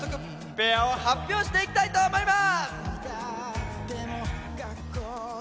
ペアを発表していきたいと思います